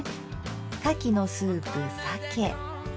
「かきのスープ鮭」。